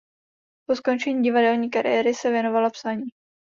Po skončení divadelní kariéry se věnovala psaní.